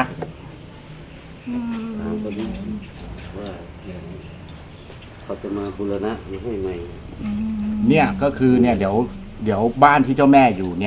ว่าเขาจะมาบุรณะให้ใหม่เนี่ยก็คือเนี่ยเดี๋ยวเดี๋ยวบ้านที่เจ้าแม่อยู่เนี่ย